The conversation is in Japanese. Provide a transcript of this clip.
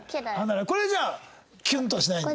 これじゃあキュンとしないんだ？